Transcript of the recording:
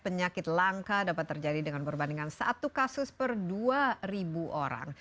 penyakit langka dapat terjadi dengan perbandingan satu kasus per dua ribu orang